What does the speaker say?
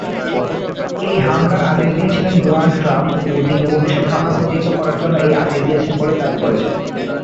এই হামলার আদেশ দিয়েছিলেন ডোনাল্ড ট্রাম্প ও তিনি ভবিষ্যৎ হামলা প্রতিহত করার জন্য এই আদেশ দিয়েছেন বলে দাবি করেছেন।